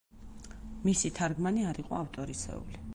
მისი თარგმანი არ იყო ავტორისეული.